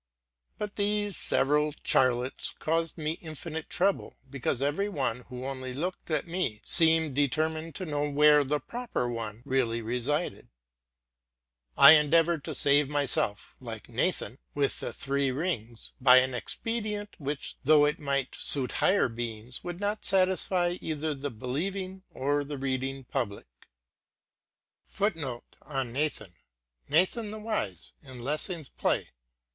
But these several Charlottes caused me infinite trouble, because every one who only looked at me seemed determined to know where the proper one really resided. I endeavored to save myself, like Nathan' with the three rings, by an expedient, which, though it might suit higher beings, would not satisfy either the believing or the reading public.